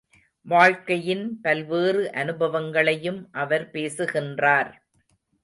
வாழ்க்கையின் பல்வேறு அனுபவங்களையும் அவர் பேசுகின்றார்.